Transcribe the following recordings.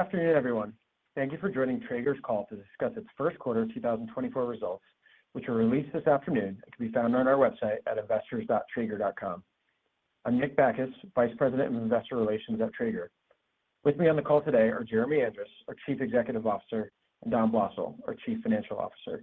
Good afternoon, everyone. Thank you for joining Traeger's call to discuss its first quarter 2024 results, which were released this afternoon and can be found on our website at investors.traeger.com. I'm Nick Bacchus, Vice President of Investor Relations at Traeger. With me on the call today are Jeremy Andrus, our Chief Executive Officer, and Dom Blosser, our Chief Financial Officer.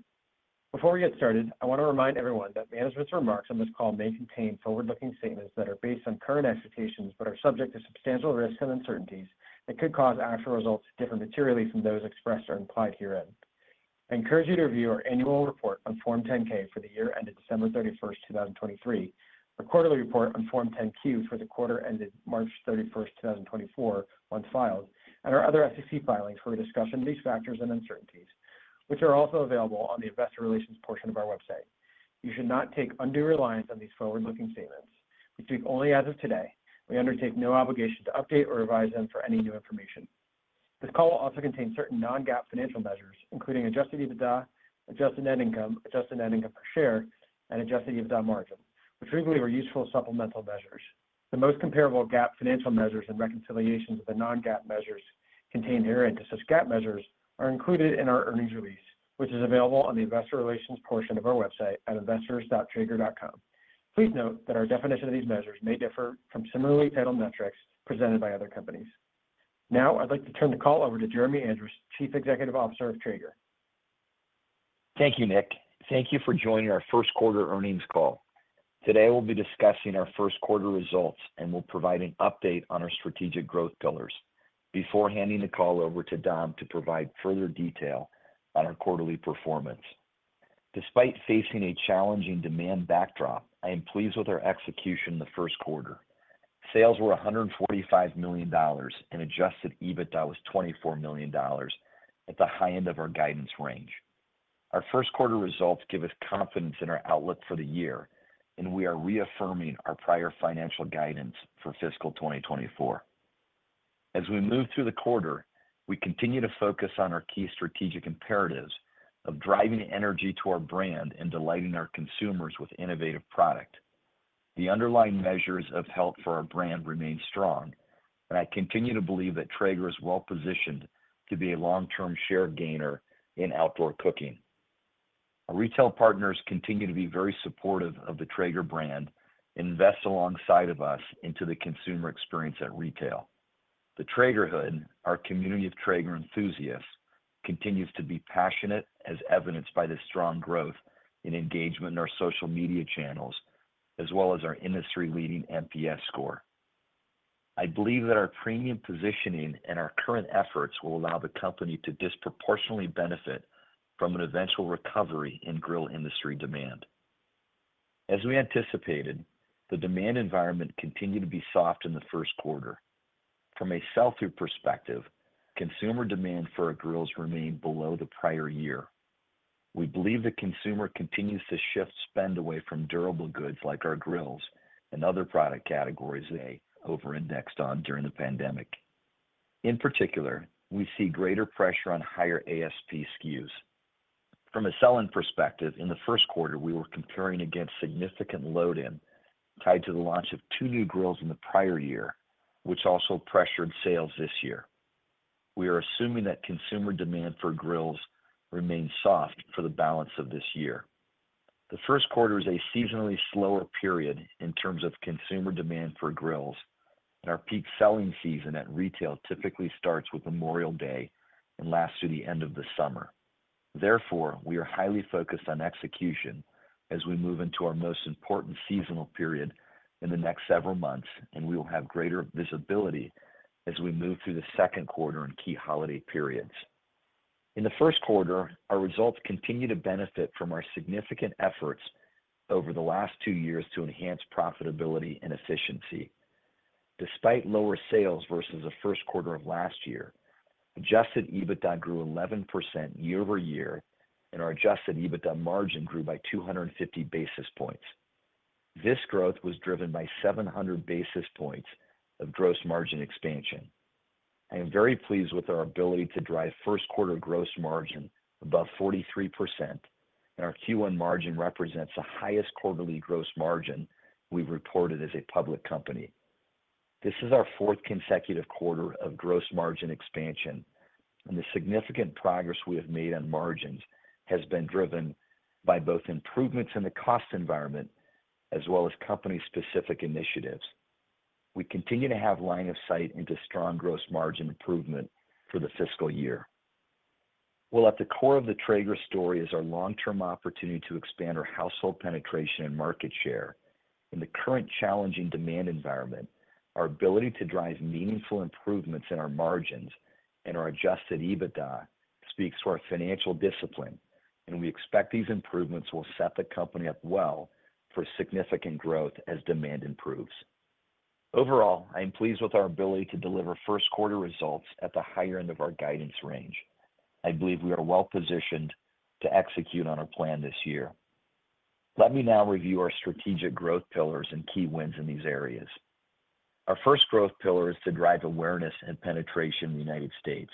Before we get started, I want to remind everyone that management's remarks on this call may contain forward-looking statements that are based on current expectations, but are subject to substantial risks and uncertainties that could cause actual results to differ materially from those expressed or implied herein. I encourage you to review our annual report on Form 10-K for the year ended December 31, 2023, our quarterly report on Form 10-Q for the quarter ended March 31, 2024, once filed, and our other SEC filings for a discussion of these factors and uncertainties, which are also available on the investor relations portion of our website. You should not take undue reliance on these forward-looking statements. We speak only as of today. We undertake no obligation to update or revise them for any new information. This call will also contain certain non-GAAP financial measures, including Adjusted EBITDA, adjusted net income, adjusted net income per share, and Adjusted EBITDA margin, which we believe are useful supplemental measures. The most comparable GAAP financial measures and reconciliations of the non-GAAP measures contained herein to such GAAP measures are included in our earnings release, which is available on the investor relations portion of our website at investors.traeger.com. Please note that our definition of these measures may differ from similarly titled metrics presented by other companies. Now, I'd like to turn the call over to Jeremy Andrus, Chief Executive Officer of Traeger. Thank you, Nick. Thank you for joining our first quarter earnings call. Today, we'll be discussing our first quarter results, and we'll provide an update on our strategic growth pillars before handing the call over to Dom to provide further detail on our quarterly performance. Despite facing a challenging demand backdrop, I am pleased with our execution in the first quarter. Sales were $145 million, and Adjusted EBITDA was $24 million at the high end of our guidance range. Our first quarter results give us confidence in our outlook for the year, and we are reaffirming our prior financial guidance for fiscal 2024. As we move through the quarter, we continue to focus on our key strategic imperatives of driving energy to our brand and delighting our consumers with innovative product. The underlying measures of health for our brand remain strong, and I continue to believe that Traeger is well-positioned to be a long-term share gainer in outdoor cooking. Our retail partners continue to be very supportive of the Traeger brand and invest alongside of us into the consumer experience at retail. The Traegerhood, our community of Traeger enthusiasts, continues to be passionate, as evidenced by the strong growth in engagement in our social media channels, as well as our industry-leading NPS score. I believe that our premium positioning and our current efforts will allow the company to disproportionately benefit from an eventual recovery in grill industry demand. As we anticipated, the demand environment continued to be soft in the first quarter. From a sell-through perspective, consumer demand for our grills remained below the prior year. We believe the consumer continues to shift spend away from durable goods like our grills and other product categories they over-indexed on during the pandemic. In particular, we see greater pressure on higher ASP SKUs. From a sell-in perspective, in the first quarter, we were comparing against significant load-in tied to the launch of two new grills in the prior year, which also pressured sales this year. We are assuming that consumer demand for grills remains soft for the balance of this year. The first quarter is a seasonally slower period in terms of consumer demand for grills, and our peak selling season at retail typically starts with Memorial Day and lasts through the end of the summer. Therefore, we are highly focused on execution as we move into our most important seasonal period in the next several months, and we will have greater visibility as we move through the second quarter and key holiday periods. In the first quarter, our results continued to benefit from our significant efforts over the last two years to enhance profitability and efficiency. Despite lower sales versus the first quarter of last year, Adjusted EBITDA grew 11% year-over-year, and our Adjusted EBITDA margin grew by 250 basis points. This growth was driven by 700 basis points of gross margin expansion. I am very pleased with our ability to drive first quarter gross margin above 43%, and our Q1 margin represents the highest quarterly gross margin we've reported as a public company. This is our fourth consecutive quarter of gross margin expansion, and the significant progress we have made on margins has been driven by both improvements in the cost environment as well as company-specific initiatives. We continue to have line of sight into strong gross margin improvement for the fiscal year. Well, at the core of the Traeger story is our long-term opportunity to expand our household penetration and market share. In the current challenging demand environment, our ability to drive meaningful improvements in our margins and our Adjusted EBITDA speaks to our financial discipline, and we expect these improvements will set the company up well for significant growth as demand improves. Overall, I am pleased with our ability to deliver first quarter results at the higher end of our guidance range. I believe we are well positioned to execute on our plan this year. Let me now review our strategic growth pillars and key wins in these areas. Our first growth pillar is to drive awareness and penetration in the United States.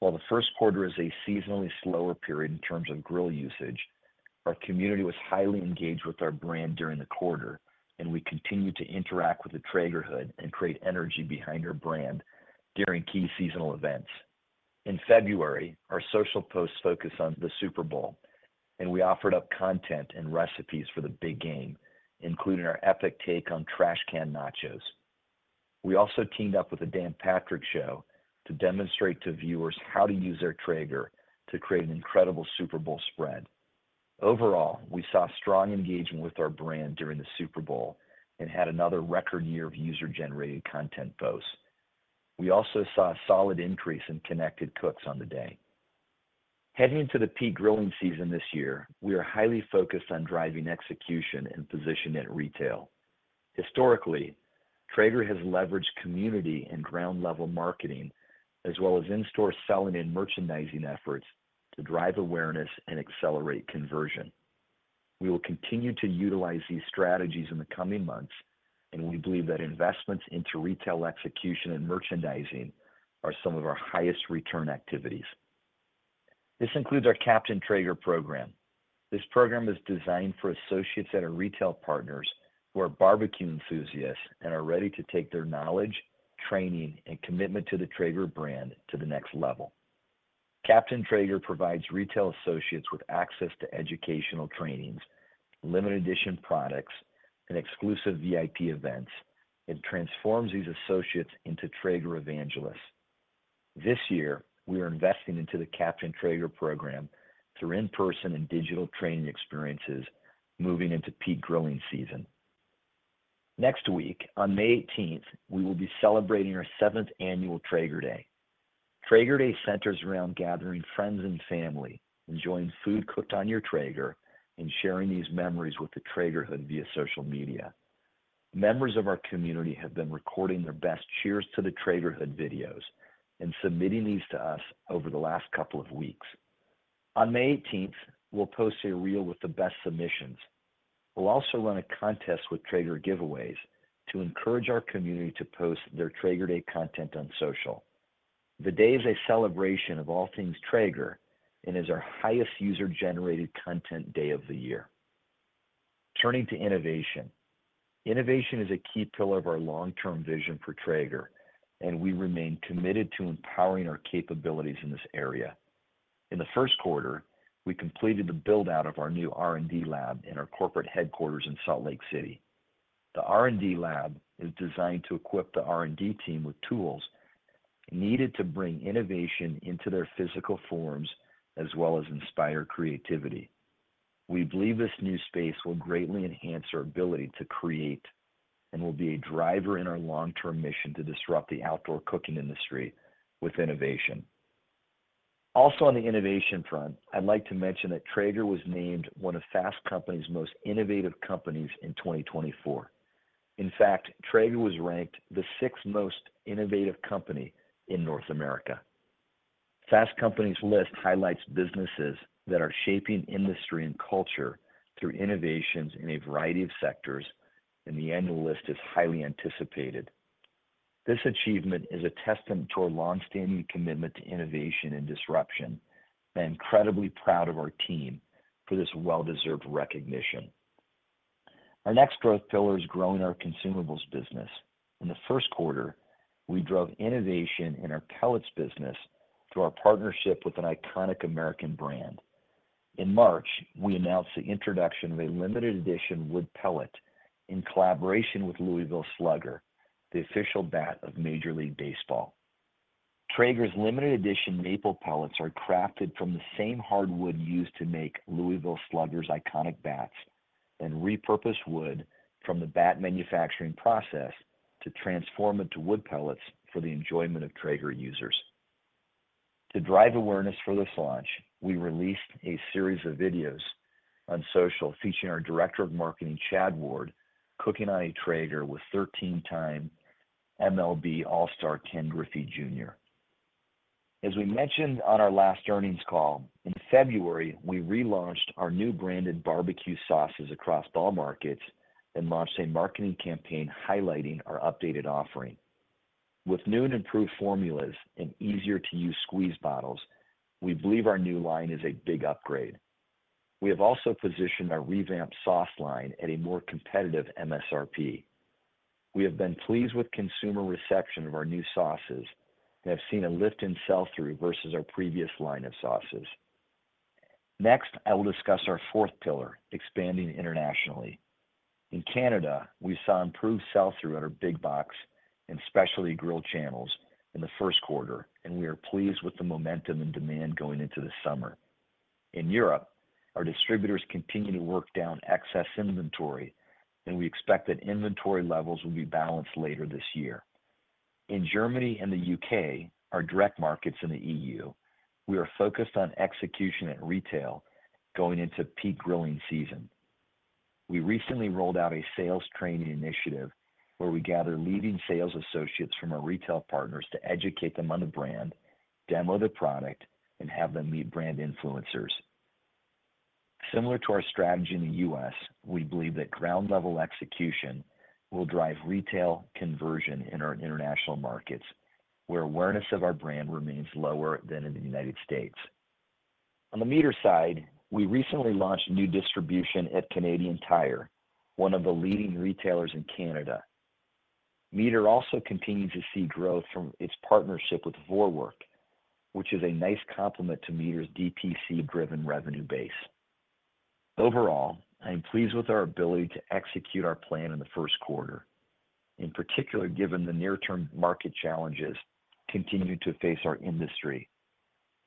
While the first quarter is a seasonally slower period in terms of grill usage, our community was highly engaged with our brand during the quarter, and we continued to interact with the Traegerhood and create energy behind our brand during key seasonal events. In February, our social posts focused on the Super Bowl, and we offered up content and recipes for the big game, including our epic take on Trash Can Nachos. We also teamed up with The Dan Patrick Show to demonstrate to viewers how to use their Traeger to create an incredible Super Bowl spread. Overall, we saw strong engagement with our brand during the Super Bowl and had another record year of user-generated content posts. We also saw a solid increase in connected cooks on the day. Heading into the peak grilling season this year, we are highly focused on driving execution and position at retail. Historically, Traeger has leveraged community and ground-level marketing, as well as in-store selling and merchandising efforts to drive awareness and accelerate conversion. We will continue to utilize these strategies in the coming months, and we believe that investments into retail execution and merchandising are some of our highest return activities. This includes our Captain Traeger program. This program is designed for associates at our retail partners who are barbecue enthusiasts and are ready to take their knowledge, training, and commitment to the Traeger brand to the next level. Captain Traeger provides retail associates with access to educational trainings, limited edition products, and exclusive VIP events, and transforms these associates into Traeger evangelists. This year, we are investing into the Captain Traeger program through in-person and digital training experiences moving into peak grilling season. Next week, on May 18, we will be celebrating our seventh annual Traeger Day. Traeger Day centers around gathering friends and family, enjoying food cooked on your Traeger, and sharing these memories with the Traegerhood via social media. Members of our community have been recording their best Cheers to the Traegerhood videos and submitting these to us over the last couple of weeks. On May eighteenth, we'll post a reel with the best submissions. We'll also run a contest with Traeger Giveaways to encourage our community to post their Traeger Day content on social. The day is a celebration of all things Traeger and is our highest user-generated content day of the year. Turning to innovation. Innovation is a key pillar of our long-term vision for Traeger, and we remain committed to empowering our capabilities in this area. In the first quarter, we completed the build-out of our new R&D lab in our corporate headquarters in Salt Lake City. The R&D lab is designed to equip the R&D team with tools needed to bring innovation into their physical forms, as well as inspire creativity. We believe this new space will greatly enhance our ability to create and will be a driver in our long-term mission to disrupt the outdoor cooking industry with innovation. Also, on the innovation front, I'd like to mention that Traeger was named one of Fast Company's Most Innovative Companies in 2024. In fact, Traeger was ranked the sixth most innovative company in North America. Fast Company's list highlights businesses that are shaping industry and culture through innovations in a variety of sectors, and the annual list is highly anticipated. This achievement is a testament to our longstanding commitment to innovation and disruption. I'm incredibly proud of our team for this well-deserved recognition. Our next growth pillar is growing our consumables business. In the first quarter, we drove innovation in our pellets business through our partnership with an iconic American brand. In March, we announced the introduction of a limited edition wood pellet in collaboration with Louisville Slugger, the official bat of Major League Baseball. Traeger's limited edition maple pellets are crafted from the same hardwood used to make Louisville Slugger's iconic bats and repurposed wood from the bat manufacturing process to transform into wood pellets for the enjoyment of Traeger users. To drive awareness for this launch, we released a series of videos on social featuring our Director of Marketing, Chad Ward, cooking on a Traeger with 13-time MLB All-Star Ken Griffey Jr. As we mentioned on our last earnings call, in February, we relaunched our new branded barbecue sauces across all markets and launched a marketing campaign highlighting our updated offering. With new and improved formulas and easier-to-use squeeze bottles, we believe our new line is a big upgrade. We have also positioned our revamped sauce line at a more competitive MSRP. We have been pleased with consumer reception of our new sauces and have seen a lift in sell-through versus our previous line of sauces. Next, I will discuss our fourth pillar, expanding internationally. In Canada, we saw improved sell-through at our big box and specialty grill channels in the first quarter, and we are pleased with the momentum and demand going into the summer. In Europe, our distributors continue to work down excess inventory, and we expect that inventory levels will be balanced later this year. In Germany and the U.K., our direct markets in the EU, we are focused on execution at retail going into peak grilling season. We recently rolled out a sales training initiative where we gather leading sales associates from our retail partners to educate them on the brand, demo the product, and have them meet brand influencers. Similar to our strategy in the U.S., we believe that ground-level execution will drive retail conversion in our international markets, where awareness of our brand remains lower than in the United States. On the MEATER side, we recently launched new distribution at Canadian Tire, one of the leading retailers in Canada. MEATER also continues to see growth from its partnership with Vorwerk, which is a nice complement to MEATER's DTC-driven revenue base. Overall, I am pleased with our ability to execute our plan in the first quarter, in particular, given the near-term market challenges continuing to face our industry.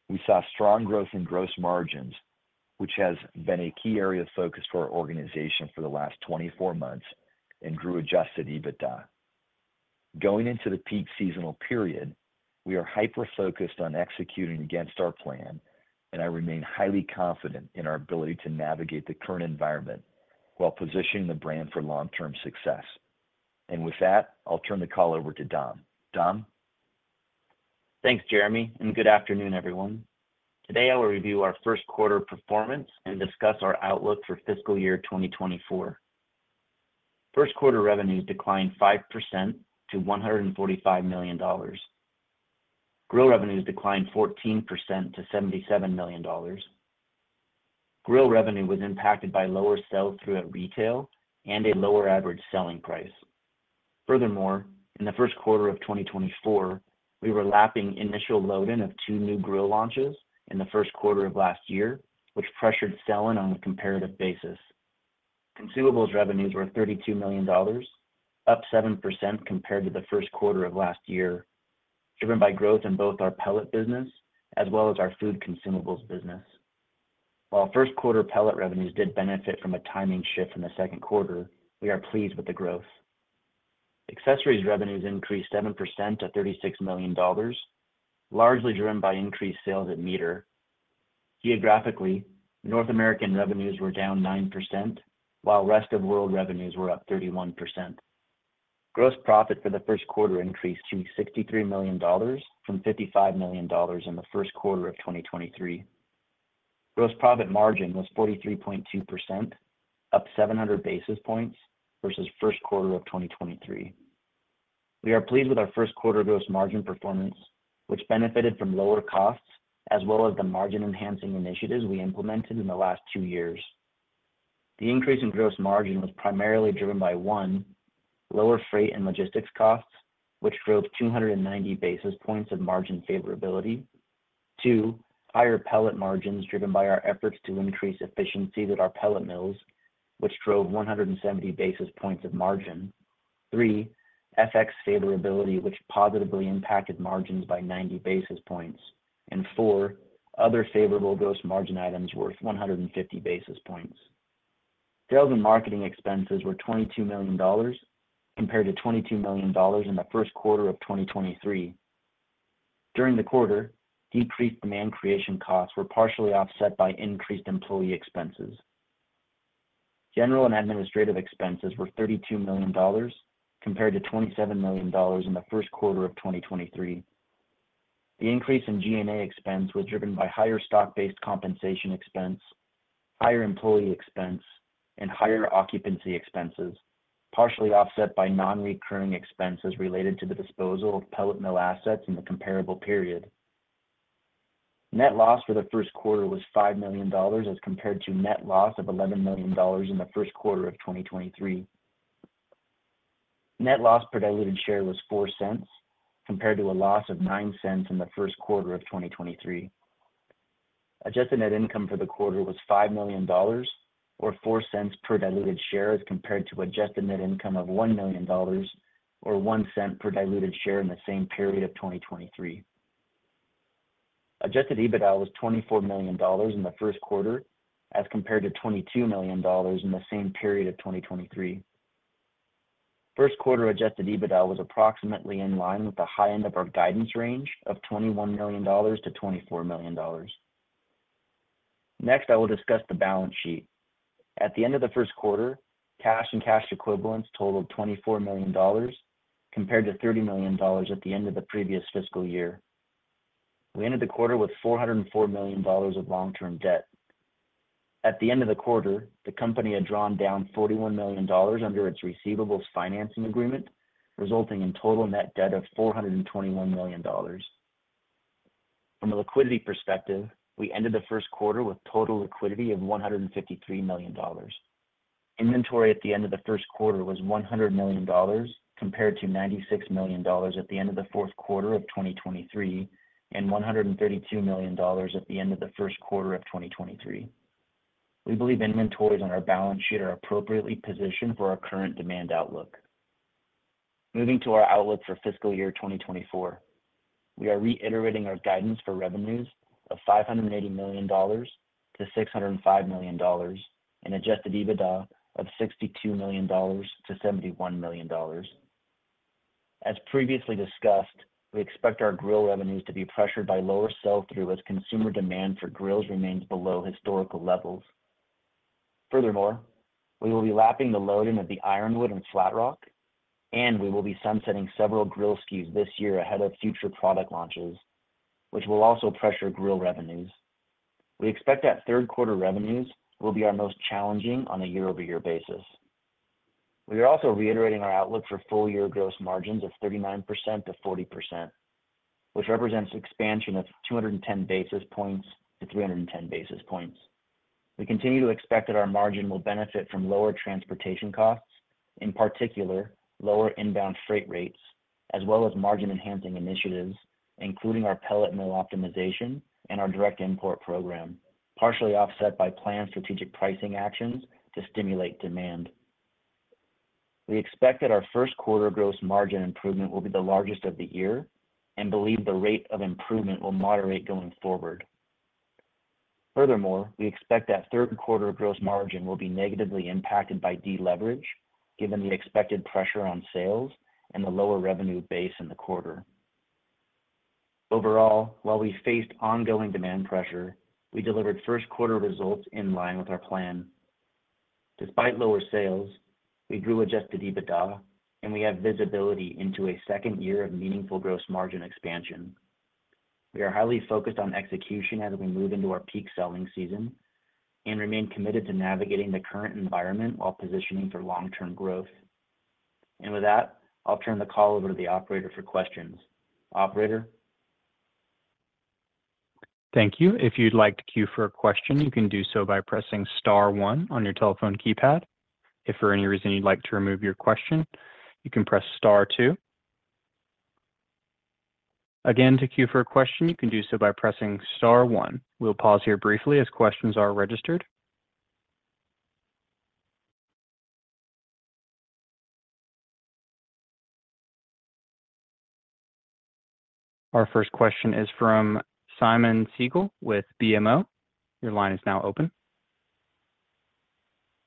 We saw strong growth in gross margins, which has been a key area of focus for our organization for the last 24 months and grew Adjusted EBITDA. Going into the peak seasonal period, we are hyper-focused on executing against our plan, and I remain highly confident in our ability to navigate the current environment while positioning the brand for long-term success. And with that, I'll turn the call over to Dom. Dom? Thanks, Jeremy, and good afternoon, everyone. Today, I will review our first quarter performance and discuss our outlook for fiscal year 2024. First quarter revenues declined 5% to $145 million. Grill revenues declined 14% to $77 million. Grill revenue was impacted by lower sell-through at retail and a lower average selling price. Furthermore, in the first quarter of 2024, we were lapping initial load-in of 2 new grill launches in the first quarter of last year, which pressured sell-in on a comparative basis. Consumables revenues were $32 million, up 7% compared to the first quarter of last year, driven by growth in both our pellet business as well as our food consumables business. While first quarter pellet revenues did benefit from a timing shift in the second quarter, we are pleased with the growth. Accessories revenues increased 7% to $36 million, largely driven by increased sales at MEATER. Geographically, North American revenues were down 9%, while rest of world revenues were up 31%. Gross profit for the first quarter increased to $63 million from $55 million in the first quarter of 2023. Gross profit margin was 43.2%, up 700 basis points versus first quarter of 2023. We are pleased with our first quarter gross margin performance, which benefited from lower costs as well as the margin-enhancing initiatives we implemented in the last two years. The increase in gross margin was primarily driven by, one, lower freight and logistics costs, which drove 290 basis points of margin favorability. Two, higher pellet margins, driven by our efforts to increase efficiency at our pellet mills, which drove 170 basis points of margin. Three, FX favorability, which positively impacted margins by 90 basis points. And four, other favorable gross margin items worth 150 basis points. Sales and marketing expenses were $22 million, compared to $22 million in the first quarter of 2023. During the quarter, decreased demand creation costs were partially offset by increased employee expenses. General and administrative expenses were $32 million, compared to $27 million in the first quarter of 2023. The increase in G&A expense was driven by higher stock-based compensation expense, higher employee expense, and higher occupancy expenses, partially offset by non-recurring expenses related to the disposal of pellet mill assets in the comparable period. Net loss for the first quarter was $5 million, as compared to net loss of $11 million in the first quarter of 2023. Net loss per diluted share was $0.04, compared to a loss of $0.09 in the first quarter of 2023. Adjusted net income for the quarter was $5 million or $0.04 per diluted share, as compared to adjusted net income of $1 million or $0.01 per diluted share in the same period of 2023. Adjusted EBITDA was $24 million in the first quarter, as compared to $22 million in the same period of 2023. First quarter Adjusted EBITDA was approximately in line with the high end of our guidance range of $21 million-$24 million. Next, I will discuss the balance sheet. At the end of the first quarter, cash and cash equivalents totaled $24 million, compared to $30 million at the end of the previous fiscal year. We ended the quarter with $404 million of long-term debt. At the end of the quarter, the company had drawn down $41 million under its receivables financing agreement, resulting in total net debt of $421 million. From a liquidity perspective, we ended the first quarter with total liquidity of $153 million. Inventory at the end of the first quarter was $100 million, compared to $96 million at the end of the fourth quarter of 2023 and $132 million at the end of the first quarter of 2023. We believe inventories on our balance sheet are appropriately positioned for our current demand outlook. Moving to our outlook for fiscal year 2024, we are reiterating our guidance for revenues of $580 million-$605 million and Adjusted EBITDA of $62 million-$71 million. As previously discussed, we expect our grill revenues to be pressured by lower sell-through as consumer demand for grills remains below historical levels.... Furthermore, we will be lapping the load-in of the Ironwood and Flatrock, and we will be sunsetting several grill SKUs this year ahead of future product launches, which will also pressure grill revenues. We expect that third quarter revenues will be our most challenging on a year-over-year basis. We are also reiterating our outlook for full year gross margins of 39%-40%, which represents expansion of 210-310 basis points. We continue to expect that our margin will benefit from lower transportation costs, in particular, lower inbound freight rates, as well as margin-enhancing initiatives, including our pellet mill optimization and our direct import program, partially offset by planned strategic pricing actions to stimulate demand. We expect that our first quarter gross margin improvement will be the largest of the year and believe the rate of improvement will moderate going forward. Furthermore, we expect that third quarter gross margin will be negatively impacted by deleverage, given the expected pressure on sales and the lower revenue base in the quarter. Overall, while we faced ongoing demand pressure, we delivered first quarter results in line with our plan. Despite lower sales, we grew Adjusted EBITDA, and we have visibility into a second year of meaningful gross margin expansion. We are highly focused on execution as we move into our peak selling season and remain committed to navigating the current environment while positioning for long-term growth. With that, I'll turn the call over to the operator for questions. Operator? Thank you. If you'd like to queue for a question, you can do so by pressing star one on your telephone keypad. If for any reason you'd like to remove your question, you can press star two. Again, to queue for a question, you can do so by pressing star one. We'll pause here briefly as questions are registered. Our first question is from Simeon Siegel with BMO. Your line is now open.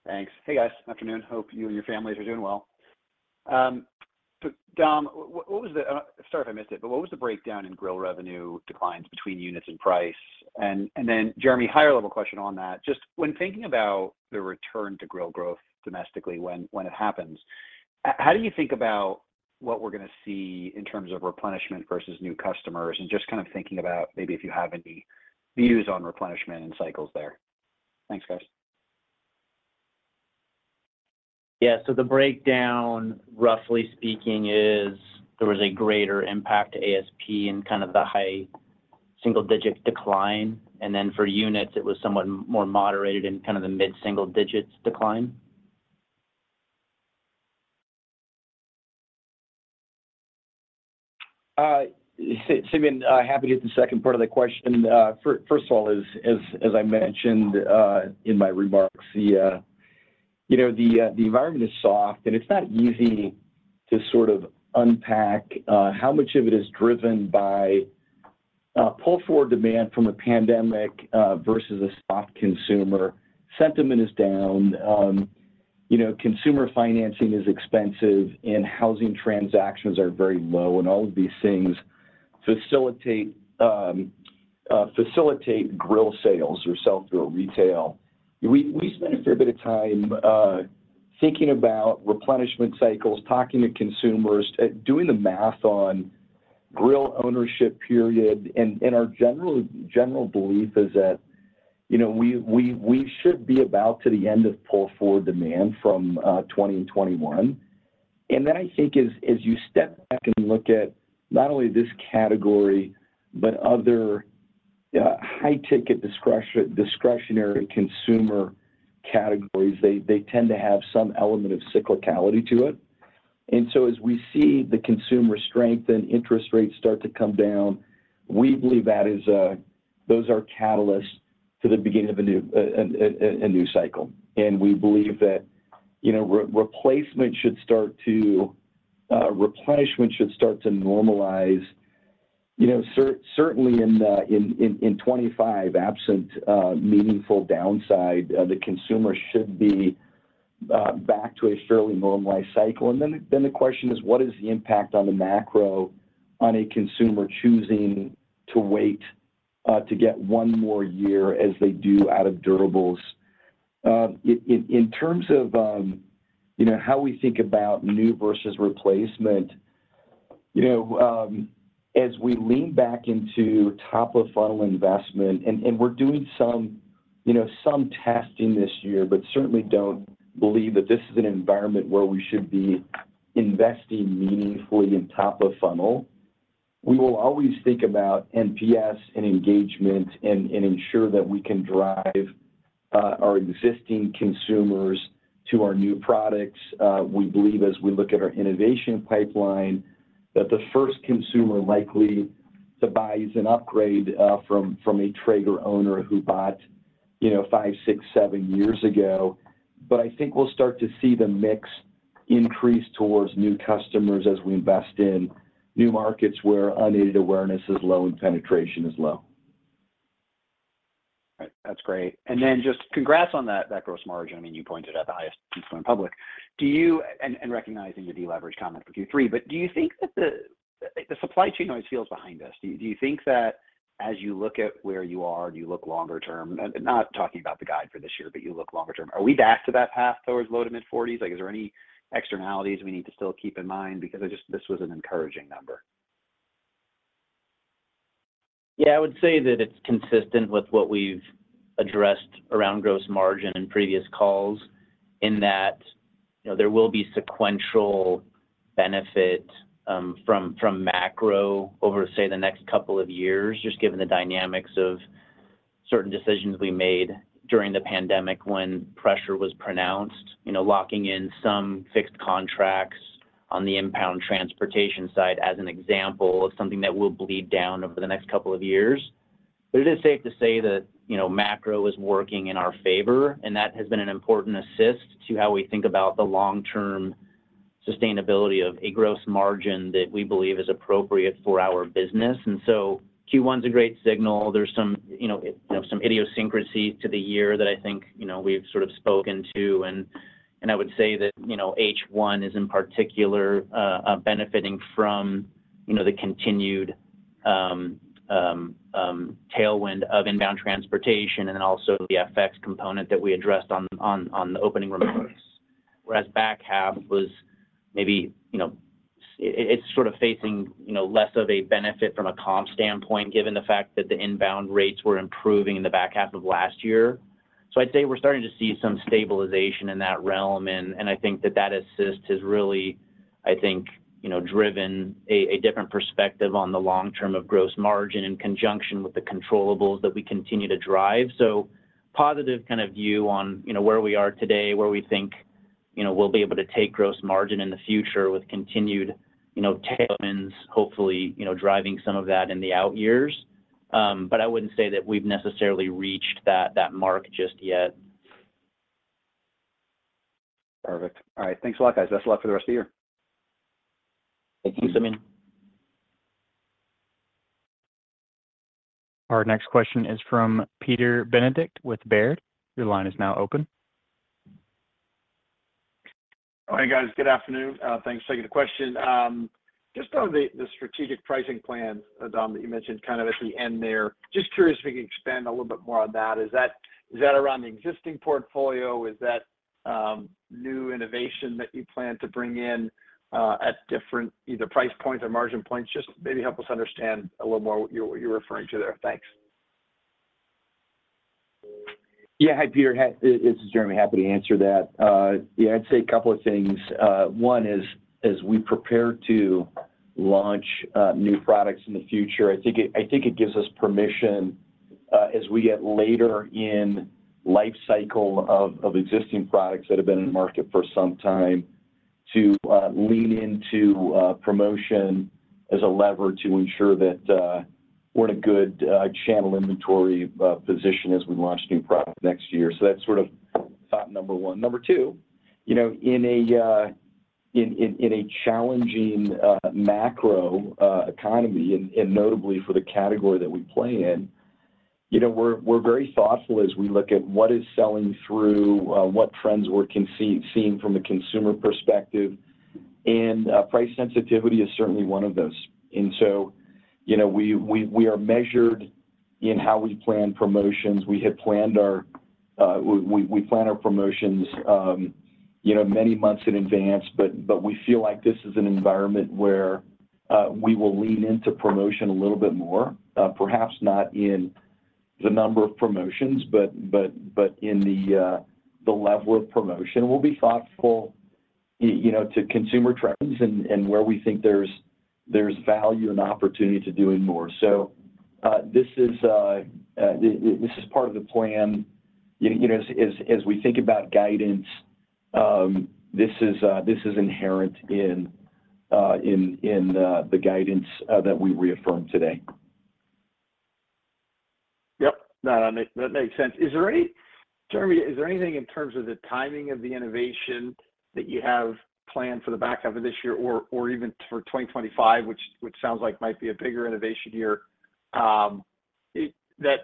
Thanks. Hey, guys. Afternoon. Hope you and your families are doing well. So Dom, what was the... Sorry if I missed it, but what was the breakdown in grill revenue declines between units and price? And then, Jeremy, higher level question on that, just when thinking about the return to grill growth domestically, when it happens, how do you think about what we're gonna see in terms of replenishment versus new customers? And just kind of thinking about maybe if you have any views on replenishment and cycles there. Thanks, guys. Yeah, so the breakdown, roughly speaking, is there was a greater impact to ASP in kind of the high single digit decline, and then for units, it was somewhat more moderated in kind of the mid single digits decline. Simeon, happy to hit the second part of the question. First of all, as I mentioned in my remarks, you know, the environment is soft, and it's not easy to sort of unpack how much of it is driven by pull-forward demand from a pandemic versus a soft consumer. Sentiment is down, you know, consumer financing is expensive, and housing transactions are very low, and all of these things facilitate grill sales or sell-through retail. We spent a fair bit of time thinking about replenishment cycles, talking to consumers, doing the math on grill ownership period. And our general belief is that, you know, we should be about to the end of pull-forward demand from 2020 and 2021. And then I think as you step back and look at not only this category, but other high-ticket discretionary consumer categories, they tend to have some element of cyclicality to it. And so as we see the consumer strength and interest rates start to come down, we believe that is those are catalysts to the beginning of a new cycle. And we believe that, you know, replacement should start to replenishment should start to normalize. You know, certainly in 2025, absent meaningful downside, the consumer should be back to a fairly normalized cycle. And then the question is, what is the impact on the macro on a consumer choosing to wait to get one more year as they do out of durables? In terms of, you know, how we think about new versus replacement, you know, as we lean back into top-of-funnel investment, and we're doing some, you know, some testing this year, but certainly don't believe that this is an environment where we should be investing meaningfully in top-of-funnel. We will always think about NPS and engagement and ensure that we can drive our existing consumers to our new products. We believe as we look at our innovation pipeline, that the first consumer likely to buy is an upgrade from a Traeger owner who bought, you know, 5, 6, 7 years ago. But I think we'll start to see the mix increase towards new customers as we invest in new markets where unaided awareness is low and penetration is low. Right. That's great. And then just congrats on that, that gross margin. I mean, you pointed out the highest point public. Do you and recognizing the deleverage comment for Q3, but do you think that the supply chain always feels behind us. Do you think that as you look at where you are and you look longer term, and not talking about the guide for this year, but you look longer term, are we back to that path towards low- to mid-40s? Like, is there any externalities we need to still keep in mind? Because I just this was an encouraging number. Yeah, I would say that it's consistent with what we've addressed around gross margin in previous calls, in that, you know, there will be sequential benefit from macro over, say, the next couple of years, just given the dynamics of certain decisions we made during the pandemic when pressure was pronounced. You know, locking in some fixed contracts on the inbound transportation side as an example of something that will bleed down over the next couple of years. But it is safe to say that, you know, macro is working in our favor, and that has been an important assist to how we think about the long-term sustainability of a gross margin that we believe is appropriate for our business. And so Q1 is a great signal. There's some, you know, some idiosyncrasy to the year that I think, you know, we've sort of spoken to, and I would say that, you know, H1 is in particular benefiting from, you know, the continued tailwind of inbound transportation and then also the FX component that we addressed on the opening remarks. Whereas back half was maybe, you know, it's sort of facing, you know, less of a benefit from a comp standpoint, given the fact that the inbound rates were improving in the back half of last year. So I'd say we're starting to see some stabilization in that realm, and I think that that assist has really, I think, you know, driven a different perspective on the long term of gross margin in conjunction with the controllables that we continue to drive. So, positive kind of view on, you know, where we are today, where we think, you know, we'll be able to take gross margin in the future with continued, you know, tailwinds, hopefully, you know, driving some of that in the out years. But I wouldn't say that we've necessarily reached that mark just yet. Perfect. All right. Thanks a lot, guys. Best of luck for the rest of the year. Thank you, Simeon. Our next question is from Peter Benedict with Baird. Your line is now open. Hi, guys. Good afternoon. Thanks for taking the question. Just on the strategic pricing plan, Dom, that you mentioned kind of at the end there. Just curious if you can expand a little bit more on that. Is that around the existing portfolio? Is that new innovation that you plan to bring in at different either price points or margin points? Just maybe help us understand a little more what you're referring to there. Thanks. Yeah. Hi, Peter. This is Jeremy. Happy to answer that. Yeah, I'd say a couple of things. One is, as we prepare to launch new products in the future, I think it gives us permission, as we get later in life cycle of existing products that have been in the market for some time, to lean into promotion as a lever to ensure that we're in a good channel inventory position as we launch new products next year. So that's sort of thought number one. Number two, you know, in a challenging macro economy and notably for the category that we play in, you know, we're very thoughtful as we look at what is selling through, what trends we're seeing from a consumer perspective, and price sensitivity is certainly one of those. And so, you know, we are measured in how we plan promotions. We plan our promotions, you know, many months in advance, but we feel like this is an environment where we will lean into promotion a little bit more. Perhaps not in the number of promotions, but in the level of promotion. We'll be thoughtful, you know, to consumer trends and where we think there's value and opportunity to doing more. So, this is part of the plan. You know, as we think about guidance, this is inherent in the guidance that we reaffirmed today. Yep. No, no, that makes sense. Is there any, Jeremy, is there anything in terms of the timing of the innovation that you have planned for the back half of this year or, or even for 2025, which, which sounds like might be a bigger innovation year, that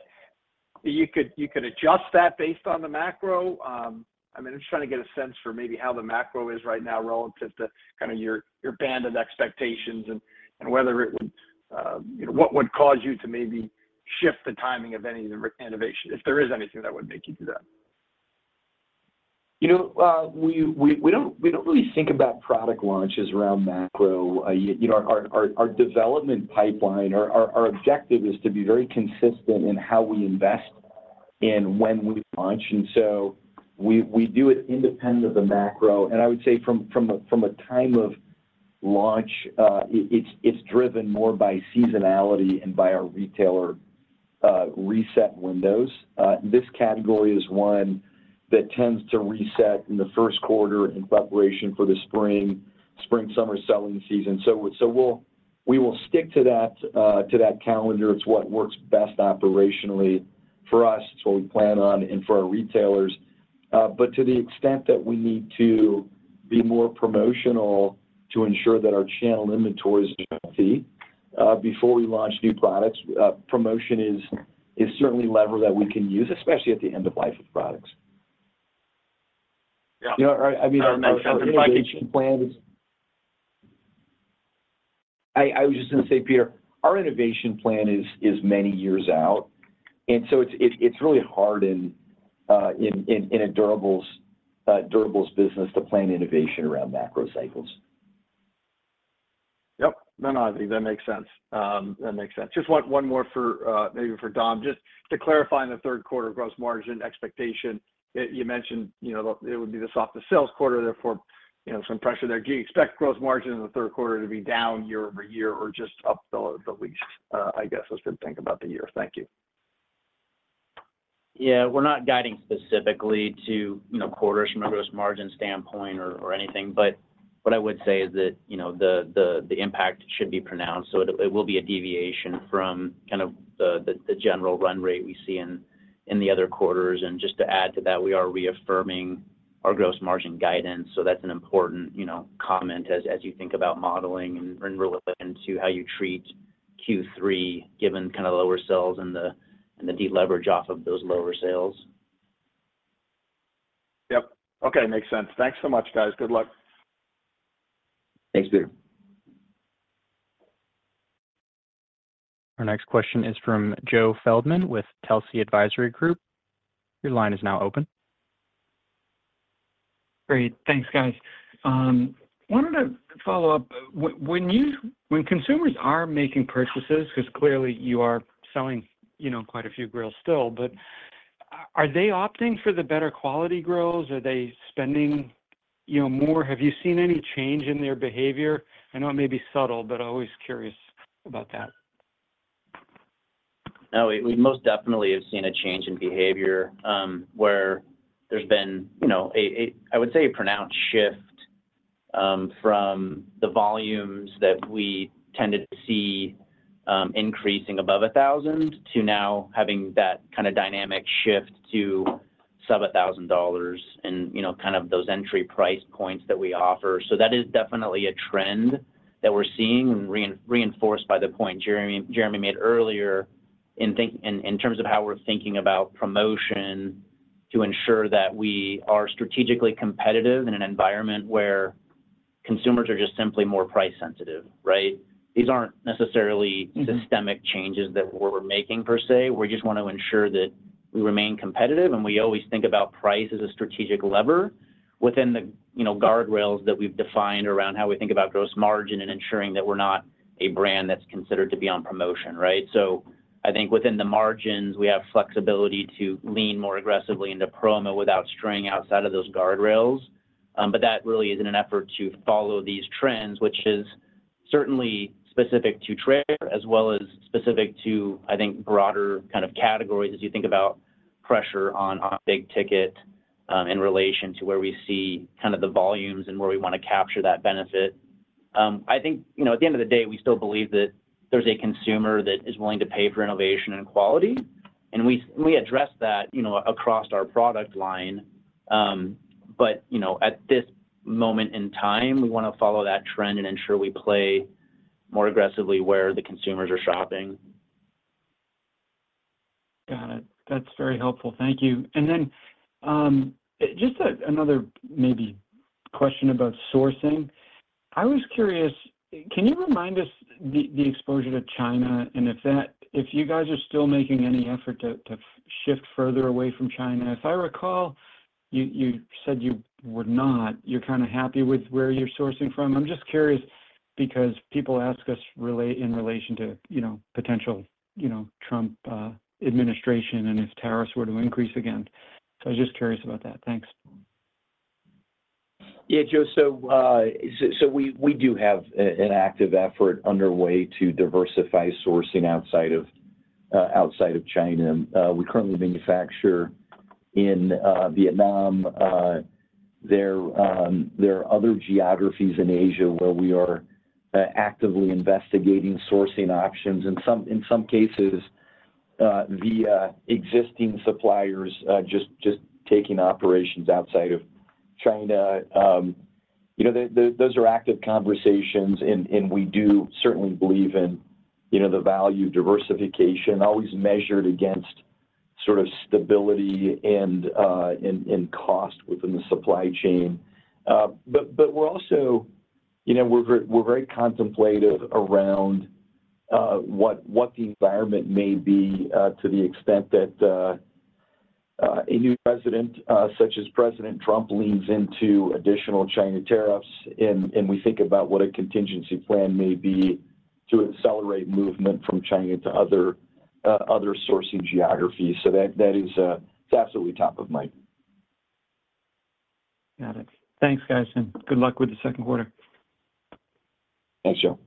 you could, you could adjust that based on the macro? I mean, I'm just trying to get a sense for maybe how the macro is right now relative to kind of your, your band of expectations and, and whether it would, you know, what would cause you to maybe shift the timing of any of the innovation, if there is anything that would make you do that? You know, we don't really think about product launches around macro. You know, our development pipeline, our objective is to be very consistent in how we invest and when we launch, and so we do it independent of the macro. And I would say from a time of launch, it's driven more by seasonality and by our retailer reset windows. This category is one that tends to reset in the first quarter in preparation for the spring/summer selling season. So we'll stick to that calendar. It's what works best operationally for us, it's what we plan on and for our retailers. But to the extent that we need to be more promotional to ensure that our channel inventory is healthy, before we launch new products, promotion is certainly a lever that we can use, especially at the end of life of products.... You know, right, I mean, our innovation plan is. I was just going to say, Peter, our innovation plan is many years out, and so it's really hard in a durables business to plan innovation around macro cycles. Yep. No, no, I think that makes sense. That makes sense. Just one, one more for, maybe for Dom, just to clarify on the third quarter gross margin expectation. You mentioned, you know, the—it would be the softest sales quarter, therefore, you know, some pressure there. Do you expect gross margin in the third quarter to be down year-over-year or just up the, the least, I guess, as we think about the year? Thank you. Yeah, we're not guiding specifically to, you know, quarters from a gross margin standpoint or anything. But what I would say is that, you know, the impact should be pronounced, so it will be a deviation from kind of the general run rate we see in the other quarters. And just to add to that, we are reaffirming our gross margin guidance, so that's an important, you know, comment as you think about modeling and in relation to how you treat Q3, given kind of the lower sales and the deleverage off of those lower sales. Yep. Okay, makes sense. Thanks so much, guys. Good luck. Thanks, Peter. Our next question is from Joe Feldman with Telsey Advisory Group. Your line is now open. Great. Thanks, guys. Wanted to follow up. When consumers are making purchases, 'cause clearly you are selling, you know, quite a few grills still, but are they opting for the better quality grills? Are they spending, you know, more? Have you seen any change in their behavior? I know it may be subtle, but always curious about that. No, we most definitely have seen a change in behavior, where there's been, you know, I would say, a pronounced shift, from the volumes that we tended to see, increasing above $1,000, to now having that kind of dynamic shift to sub $1,000 and, you know, kind of those entry price points that we offer. So that is definitely a trend that we're seeing and reinforced by the point Jeremy made earlier in terms of how we're thinking about promotion to ensure that we are strategically competitive in an environment where consumers are just simply more price sensitive, right? These aren't necessarily- Mm-hmm. systemic changes that we're making per se. We just want to ensure that we remain competitive, and we always think about price as a strategic lever within the, you know, guardrails that we've defined around how we think about gross margin and ensuring that we're not a brand that's considered to be on promotion, right? So I think within the margins, we have flexibility to lean more aggressively into promo without straying outside of those guardrails. But that really is in an effort to follow these trends, which is certainly specific to Traeger as well as specific to, I think, broader kind of categories as you think about pressure on big ticket, in relation to where we see kind of the volumes and where we want to capture that benefit. I think, you know, at the end of the day, we still believe that there's a consumer that is willing to pay for innovation and quality, and we, we address that, you know, across our product line. But, you know, at this moment in time, we want to follow that trend and ensure we play more aggressively where the consumers are shopping. Got it. That's very helpful. Thank you. And then, just another maybe question about sourcing. I was curious, can you remind us the exposure to China, and if that—if you guys are still making any effort to shift further away from China? If I recall, you said you were not. You're kind of happy with where you're sourcing from. I'm just curious because people ask us in relation to, you know, potential, you know, Trump administration and if tariffs were to increase again. So I was just curious about that. Thanks. Yeah, Joe, so we do have an active effort underway to diversify sourcing outside of China. We currently manufacture in Vietnam. There are other geographies in Asia where we are actively investigating sourcing options, and in some cases, the existing suppliers just taking operations outside of China. You know, those are active conversations, and we do certainly believe in, you know, the value of diversification, always measured against sort of stability and cost within the supply chain. But we're also... You know, we're very contemplative around what the environment may be to the extent that a new president, such as President Trump, leans into additional China tariffs. We think about what a contingency plan may be to accelerate movement from China to other sourcing geographies. So that is, it's absolutely top of mind. Got it. Thanks, guys, and good luck with the second quarter. Thanks, Joe.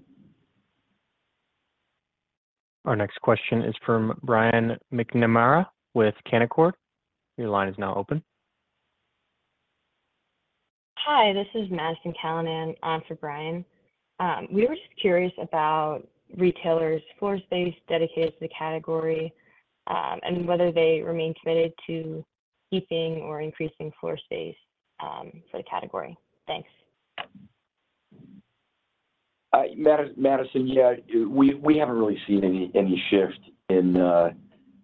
Our next question is from Brian McNamara with Canaccord. Your line is now open. Hi, this is Madison Callinan for Brian. We were just curious about retailers' floor space dedicated to the category, and whether they remain committed to keeping or increasing floor space for the category. Thanks. Madison, yeah, we haven't really seen any shift in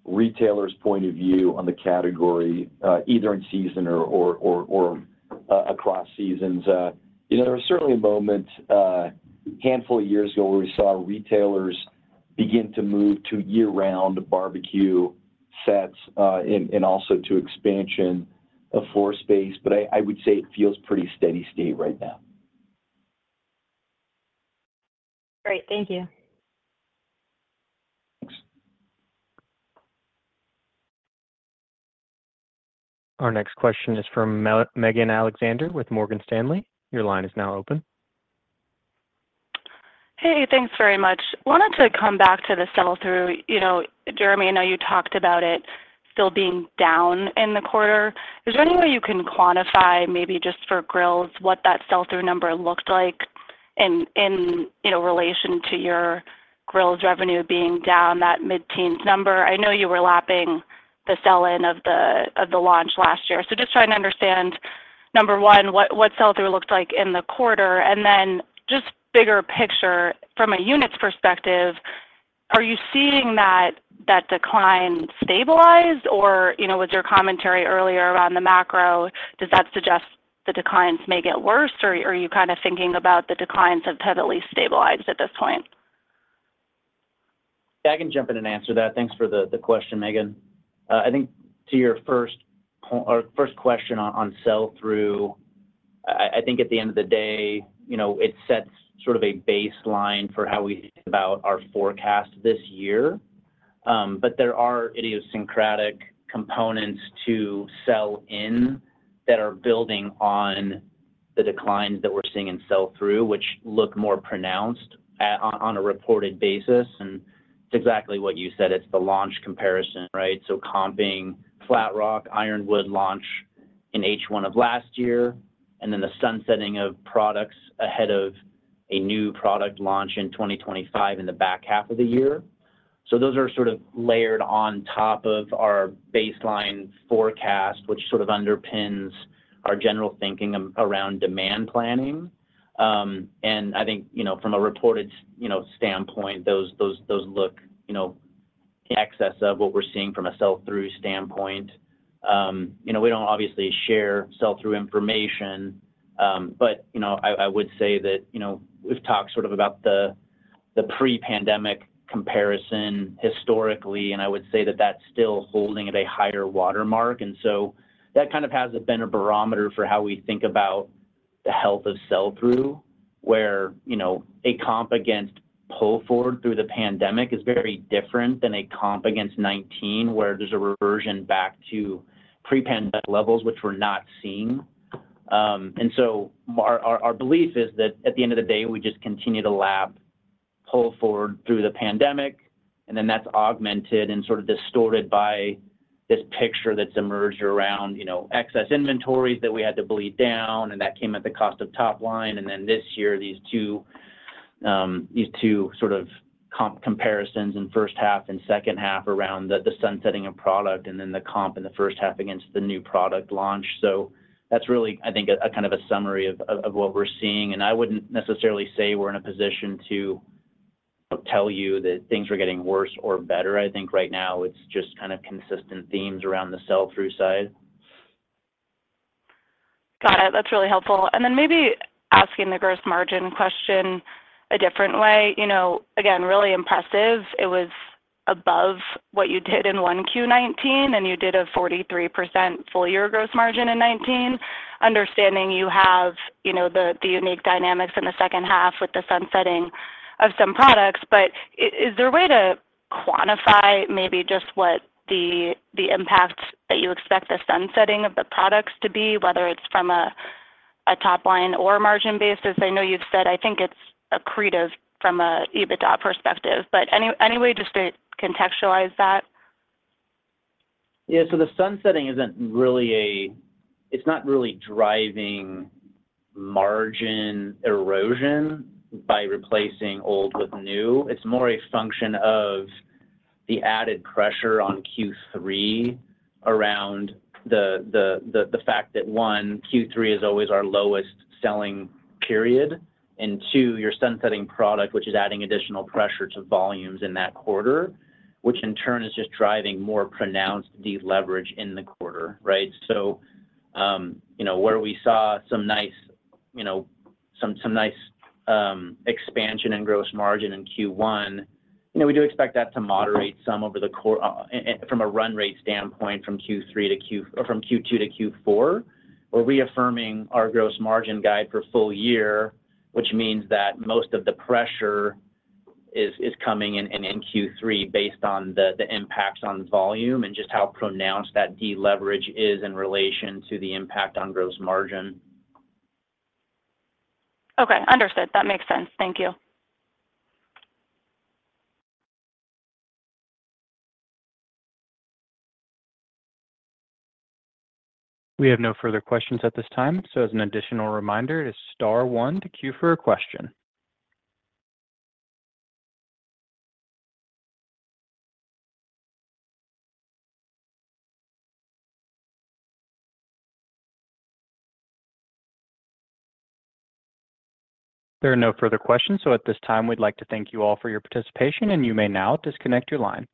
retailers' point of view on the category, either in season or across seasons. You know, there were certainly moments a handful of years ago where we saw retailers begin to move to year-round barbecue sets and also to expansion of floor space. But I would say it feels pretty steady state right now. Great. Thank you. Thanks. Our next question is from Megan Alexander with Morgan Stanley. Your line is now open. Hey, thanks very much. Wanted to come back to the sell-through. You know, Jeremy, I know you talked about it still being down in the quarter. Is there any way you can quantify, maybe just for grills, what that sell-through number looked like in relation to your grills revenue being down that mid-teens number? I know you were lapping the sell-in of the launch last year. So just trying to understand, number one, what sell-through looked like in the quarter. And then just bigger picture, from a units perspective, are you seeing that decline stabilize? Or, you know, with your commentary earlier around the macro, does that suggest the declines may get worse, or are you kind of thinking about the declines have heavily stabilized at this point? Yeah, I can jump in and answer that. Thanks for the question, Megan. I think to your first or first question on sell-through, I think at the end of the day, you know, it sets sort of a baseline for how we think about our forecast this year. But there are idiosyncratic components to sell-in that are building on the declines that we're seeing in sell-through, which look more pronounced on a reported basis. And it's exactly what you said. It's the launch comparison, right? So comping Flatrock, Ironwood launch in H1 of last year, and then the sunsetting of products ahead of a new product launch in 2025 in the back half of the year. So those are sort of layered on top of our baseline forecast, which sort of underpins our general thinking around demand planning. And I think, you know, from a reported, you know, standpoint, those look, you know, in excess of what we're seeing from a sell-through standpoint. You know, we don't obviously share sell-through information, but, you know, I would say that, you know, we've talked sort of about the pre-pandemic comparison historically, and I would say that that's still holding at a higher watermark. And so that kind of has been a barometer for how we think about the health of sell-through, where, you know, a comp against pull forward through the pandemic is very different than a comp against 19, where there's a reversion back to pre-pandemic levels, which we're not seeing. And so our belief is that at the end of the day, we just continue to lap pull forward through the pandemic, and then that's augmented and sort of distorted by this picture that's emerged around, you know, excess inventories that we had to bleed down, and that came at the cost of top line. Then this year, these two sort of comp comparisons in first half and second half around the sunsetting of product, and then the comp in the first half against the new product launch. So that's really, I think, a kind of a summary of what we're seeing. And I wouldn't necessarily say we're in a position to tell you that things are getting worse or better. I think right now it's just kind of consistent themes around the sell-through side. Got it. That's really helpful. And then maybe asking the gross margin question a different way. You know, again, really impressive. It was above what you did in 1Q 2019, and you did a 43% full year gross margin in 2019. Understanding you have, you know, the unique dynamics in the second half with the sunsetting of some products, but is there a way to quantify maybe just what the impacts that you expect the sunsetting of the products to be, whether it's from a top line or margin basis? As I know you've said, I think it's accretive from an EBITDA perspective. But any way just to contextualize that? Yeah. So the sunsetting isn't really—it's not really driving margin erosion by replacing old with new. It's more a function of the added pressure on Q3 around the fact that, one, Q3 is always our lowest selling period, and two, you're sunsetting product, which is adding additional pressure to volumes in that quarter, which in turn is just driving more pronounced deleverage in the quarter, right? So, you know, where we saw some nice expansion in gross margin in Q1, you know, we do expect that to moderate some over the course, and from a run rate standpoint, from Q3 to Q4 or from Q2 to Q4. We're reaffirming our gross margin guide for full year, which means that most of the pressure is coming in Q3 based on the impacts on volume and just how pronounced that deleverage is in relation to the impact on gross margin. Okay, understood. That makes sense. Thank you. We have no further questions at this time, so as an additional reminder, it is star one to queue for a question. There are no further questions, so at this time, we'd like to thank you all for your participation, and you may now disconnect your line.